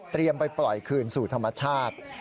ไปปล่อยคืนสู่ธรรมชาติ